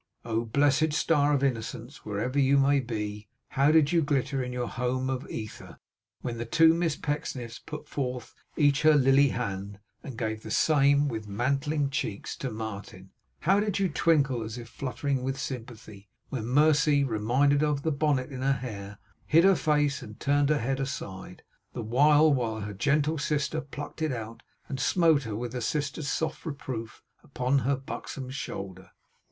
Oh blessed star of Innocence, wherever you may be, how did you glitter in your home of ether, when the two Miss Pecksniffs put forth each her lily hand, and gave the same, with mantling cheeks, to Martin! How did you twinkle, as if fluttering with sympathy, when Mercy, reminded of the bonnet in her hair, hid her fair face and turned her head aside; the while her gentle sister plucked it out, and smote her with a sister's soft reproof, upon her buxom shoulder!